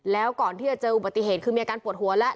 แล้วก่อนที่จะเจออุบัติเหตุคือมีอาการปวดหัวแล้ว